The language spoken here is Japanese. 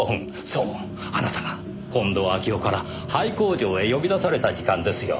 そうあなたが近藤秋夫から廃工場へ呼び出された時間ですよ。